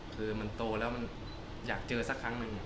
คือมันโตแล้วมันอยากเจอสักครั้งหนึ่ง